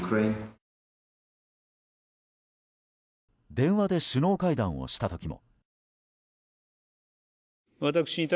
電話で首脳会談をした時も。